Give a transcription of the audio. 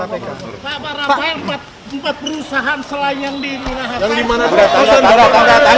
pak pak ramfah empat perusahaan selai yang dimunahkan